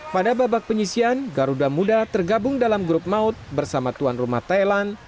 pada babak penyisian garuda muda tergabung dalam grup maut bersama tuan rumah thailand